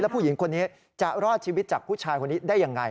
ผู้หญิงคนนี้จะรอดชีวิตจากผู้ชายคนนี้ได้ยังไง